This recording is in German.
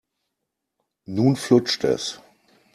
Nun flutscht es.